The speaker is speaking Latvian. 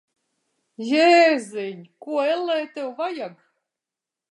Jēziņ! Ko, ellē, tev vajag?